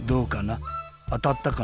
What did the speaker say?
あたったかな？